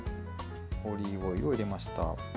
オリーブオイルを入れました。